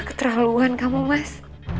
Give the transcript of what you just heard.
ketraluhan kamu mas